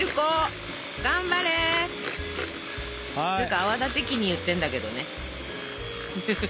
泡立て器に言ってんだけどね。